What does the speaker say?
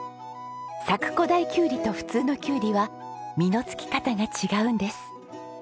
佐久古太きゅうりと普通のキュウリは実のつき方が違うんです。